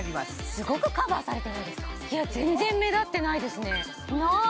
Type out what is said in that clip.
すごくカバーされてないですかいや全然目立ってないですねない！